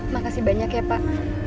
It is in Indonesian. makasih banyak ya pak